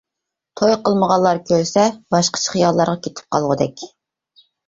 توي قىلمىغانلار كۆرسە باشقىچە خىياللارغا كېتىپ قالغۇدەك.